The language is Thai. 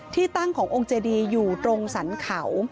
ที่ตั้งขององค์เจดีอยู่ตรงสรรเขา